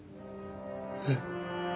えっ。